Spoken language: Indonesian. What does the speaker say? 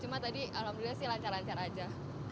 jadi alhamdulillah sih lancar lancar aja